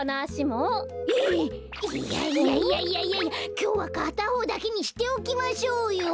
きょうはかたほうだけにしておきましょうよ。